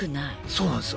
そうなんです。